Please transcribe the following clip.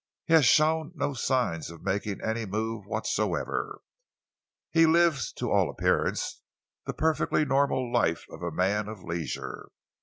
"He has shown no signs of making any move whatsoever. He lives, to all appearance, the perfectly normal life of a man of leisure.